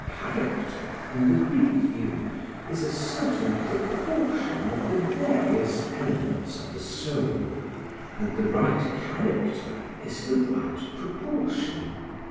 Character, in the Greek view, is a certain proportion of the various elements of the soul, and the right character is the right proportion.